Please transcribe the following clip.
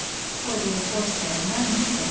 For the aforesaid Nuns of S.